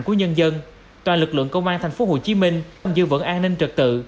của nhân dân toàn lực lượng công an thành phố hồ chí minh dư vấn an ninh trực tự